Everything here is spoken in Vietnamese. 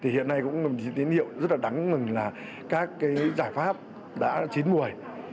hiện nay cũng có một tín hiệu rất đáng mừng là các giải pháp đã chín mùi